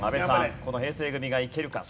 この平成組がいけるか。